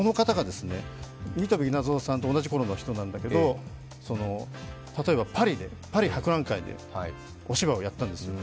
新渡戸稲造さんと同じころの人なんだけど、この人が例えばパリ博覧会でお芝居をやったんです。